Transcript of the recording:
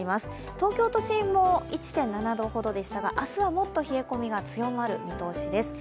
東京都心も１．７度ほどでしたが、明日はもっと冷え込みが強まる見通しです。